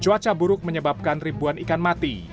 cuaca buruk menyebabkan ribuan ikan mati